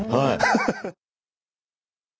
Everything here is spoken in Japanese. ハハハハ。